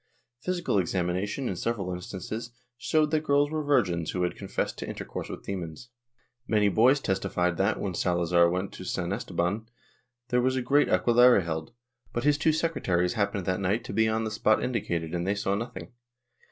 Physical exami nation, in several instances, showed that girls were virgins who had confessed to intercourse with demons. Many boys testified that, when Salazar went to San Esteban, there was a great aque larre held, but his two secretaries happened that night to be on the spot indicated and they saw nothing.